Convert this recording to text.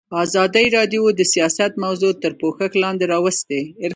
ازادي راډیو د سیاست موضوع تر پوښښ لاندې راوستې.